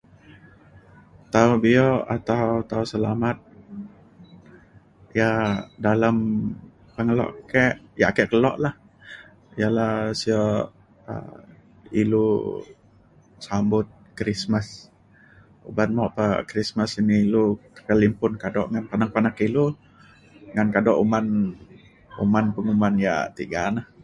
tau bi'u atau tau selamat ka dalem pengeluk kik je' ake keluk la ya la siuk um ilu sambut krismas oban mok pe krismas ini ilu kelimpun kaduk ngan panak panak ilu ngan kaduk uman penguman yak tiga ne.